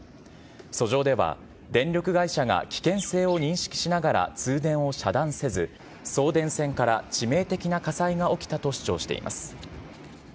訴状では電力会社が危険性を認識しながら通電を遮断せず、送電線から致命的な火災が起きたと主張しています。